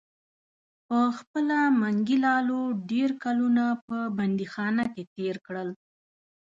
پخپله منګي لالو ډیر کلونه په بندیخانه کې تیر کړل.